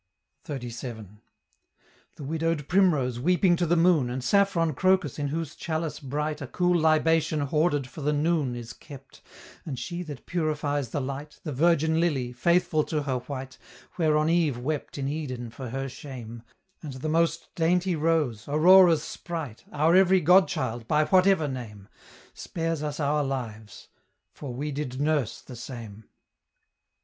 XXXVII. "The widow'd primrose weeping to the moon And saffron crocus in whose chalice bright A cool libation hoarded for the noon Is kept and she that purifies the light, The virgin lily, faithful to her white, Whereon Eve wept in Eden for her shame; And the most dainty rose, Aurora's spright, Our every godchild, by whatever name Spares us our lives, for we did nurse the same!"